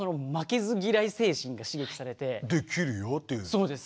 そうです。